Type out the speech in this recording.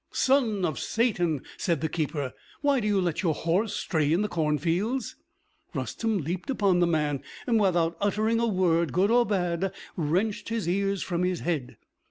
"Son of Satan," said the keeper, "why do you let your horse stray in the cornfields?" Rustem leaped upon the man, and without uttering a word good or bad, wrenched his ears from his head.